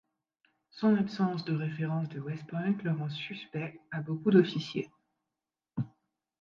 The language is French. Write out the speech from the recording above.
Son absence de référence de West Point le rend suspect à beaucoup d'officiers.